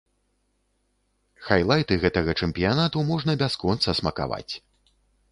Хайлайты гэтага чэмпіянату можна бясконца смакаваць.